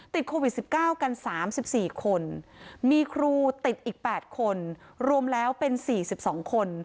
ติดโควิด๑๙กัน๓๔คนมีครูติดอีก๘คนรวมแล้วเป็น๔๒คน